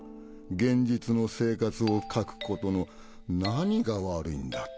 「現実の生活を描くことの何が悪いんだ！」